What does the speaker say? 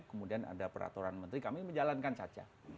kemudian ada peraturan menteri kami menjalankan saja